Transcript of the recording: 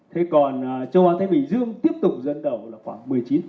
thế còn châu á thái bình dương tiếp tục dẫn đầu là khoảng một mươi chín